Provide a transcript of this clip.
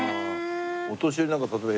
お年寄りなんか例えば。